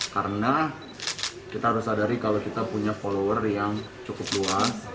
karena kita harus sadari kalau kita punya follower yang cukup luas